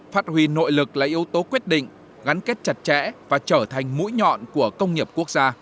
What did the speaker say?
phát huy nội lực là yếu tố quyết định gắn kết chặt chẽ và trở thành mũi nhọn của công nghiệp quốc gia